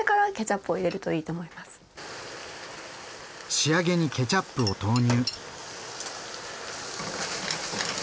仕上げにケチャップを投入。